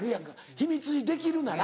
秘密にできるなら。